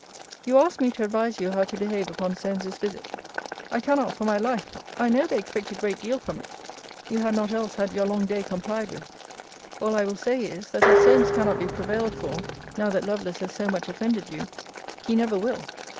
You ask me to advise you how to behave upon Solmes's visit. I cannot for my life. I know they expect a great deal from it: you had not else had your long day complied with. All I will say is, That if Solmes cannot be prevailed for, now that Lovelace has so much offended you, he never will.